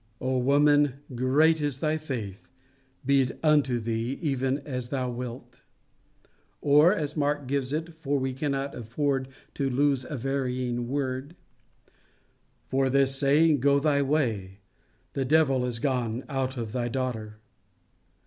"O woman, great is thy faith: be it unto thee even as thou wilt." Or, as St Mark gives it, for we cannot afford to lose a varying word, "For this saying, go thy way; the devil is gone out of thy daughter."